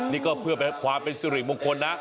นี่ก็เพื่อความเป็นสุริมงคลนะ